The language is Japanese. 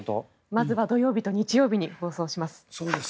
まずは土曜日と日曜日に放送します。